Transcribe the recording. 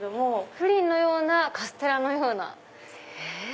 プリンのようなカステラのような？